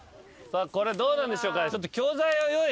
これどうなんでしょうか？